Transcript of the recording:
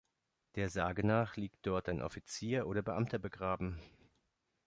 Der Sage nach liegt dort ein Offizier oder Beamter begraben.